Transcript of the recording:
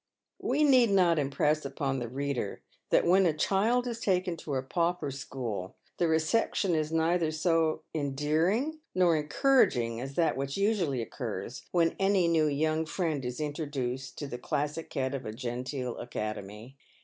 We need not impress upon the reader that when a child is taken to a pauper school, the reception is neither so endearing nor en couraging as that which usually occurs when any new "young friend" is introduced to the classic head of a genteel academy.